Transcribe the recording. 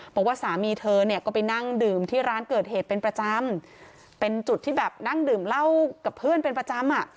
บอกว่าสามีเธอเนี่ยก็ไปนั่งดื่มที่ร้านเกิดเหตุเป็นประจำเป็นจุดที่แบบนั่งดื่มเหล้ากับเพื่อนเป็นประจำอ่ะ